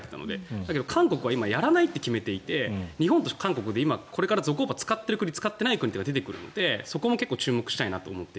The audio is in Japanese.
だけど、韓国は今やらないと決めていて日本と韓国でこれからゾコーバを使っている国使っていない国が出てくるので注目したいなと。